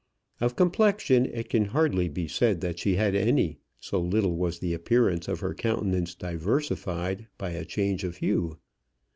Of complexion it can hardly be said that she had any; so little was the appearance of her countenance diversified by a change of hue.